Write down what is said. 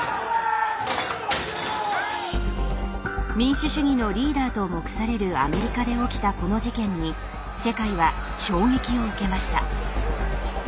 民主主義のリーダーと目されるアメリカで起きたこの事件に世界は衝撃を受けました。